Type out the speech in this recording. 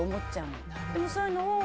でもそういうのを。